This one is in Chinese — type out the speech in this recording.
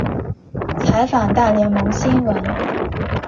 采访大联盟新闻。